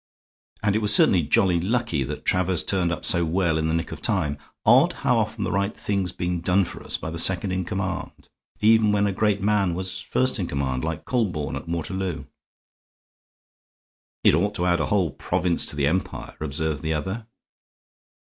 "And it was certainly jolly lucky that Travers turned up so well in the nick of time. Odd how often the right thing's been done for us by the second in command, even when a great man was first in command. Like Colborne at Waterloo." "It ought to add a whole province to the Empire," observed the other.